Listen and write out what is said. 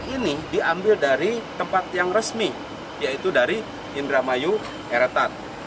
ini diambil dari tempat yang resmi yaitu dari indramayu eretan